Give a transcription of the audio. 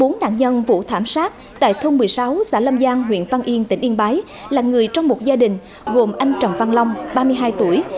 bốn nạn nhân vụ thảm sát tại thôn một mươi sáu xã lâm giang huyện văn yên tỉnh yên bái là người trong một gia đình gồm anh trần văn long ba mươi hai tuổi